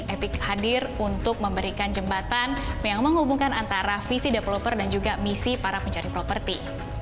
epic hadir untuk memberikan jembatan yang menghubungkan antara visi developer dan juga misi para pencari properti